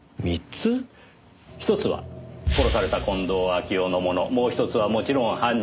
ひとつは殺された近藤秋夫のものもうひとつはもちろん犯人のもの。